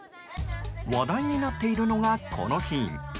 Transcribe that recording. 話題になっているのがこのシーン。